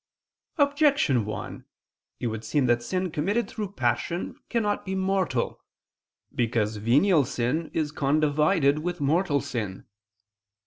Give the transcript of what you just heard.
Objection 1: It would seem that sin committed through passion cannot be mortal. Because venial sin is condivided with mortal sin.